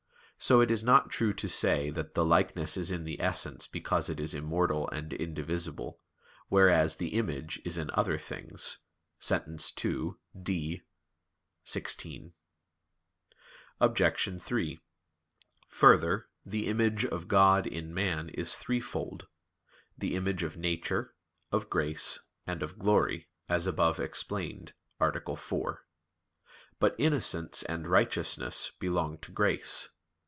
So it is not true to say that the "likeness is in the essence because it is immortal and indivisible; whereas the image is in other things" (Sent. ii, D, xvi). Obj. 3: Further, the image of God in man is threefold the image of nature, of grace, and of glory, as above explained (A. 4). But innocence and righteousness belong to grace.